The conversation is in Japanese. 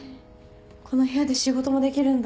この部屋で仕事もできるんだ。